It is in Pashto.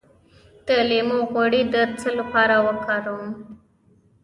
د لیمو غوړي د څه لپاره وکاروم؟